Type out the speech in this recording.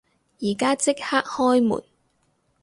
而家即刻開門！